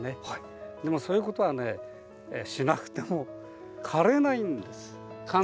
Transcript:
でもそういうことはしなくても枯れないんです。